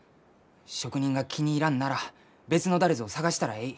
職人が気に入らんなら別の誰ぞを探したらえい。